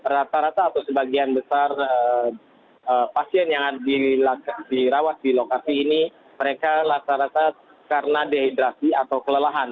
rata rata atau sebagian besar pasien yang dirawat di lokasi ini mereka rata rata karena dehidrasi atau kelelahan